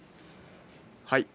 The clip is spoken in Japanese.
はい。